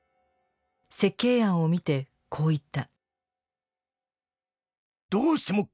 設計案を見てこう言った。